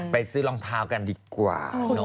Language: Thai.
ไปซื้อรองเท้ากันดีกว่า